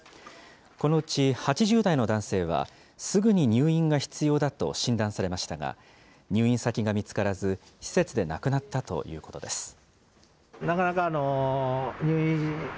このうち８０代の男性は、すぐに入院が必要だと診断されましたが、入院先が見つからず、施設で亡くなったということです。